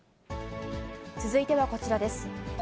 続いてはこちらです。